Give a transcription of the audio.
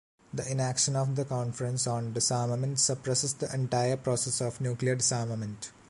The inaction of the Conference on Disarmament suppresses the entire process of nuclear disarmament.